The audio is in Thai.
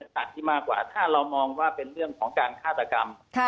สัตว์ที่มากกว่าถ้าเรามองว่าเป็นเรื่องของการฆาตกรรม